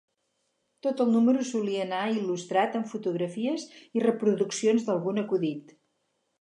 Tot el número solia anar il·lustrat amb fotografies i reproduccions d'algun acudit.